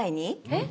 えっ？